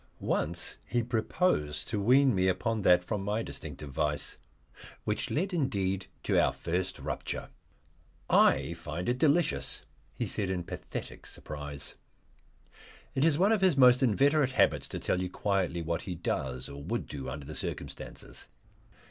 Once he proposed to wean me upon that from my distinctive vice, which led indeed to our first rupture. "I find it delicious," he said in pathetic surprise. It is one of his most inveterate habits to tell you quietly what he does, or would do under the circumstances.